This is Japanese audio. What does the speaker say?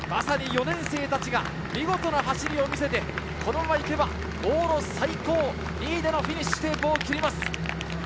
４年生たちが見事な走りを見せて、このまま行けば往路最高２位でのフィニッシュテープを切ります。